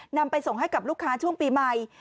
นำไปส่งให้กับลูกค้าช่วงปีใหม่